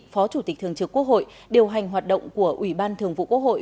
phó chủ tịch thường trực quốc hội điều hành hoạt động của ủy ban thường vụ quốc hội